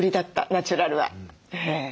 ナチュラルは。